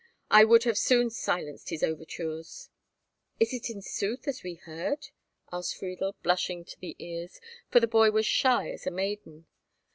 I would have soon silenced his overtures!" "Is it in sooth as we heard?" asked Friedel, blushing to the ears, for the boy was shy as a maiden.